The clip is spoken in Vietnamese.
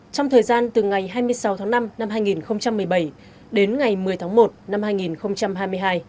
trong thời gian từ ngày hai mươi sáu tháng năm năm hai nghìn một mươi bảy đến ngày một mươi tháng một năm hai nghìn hai mươi hai